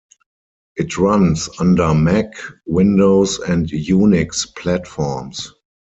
It runs under Mac, Windows, and Unix platforms.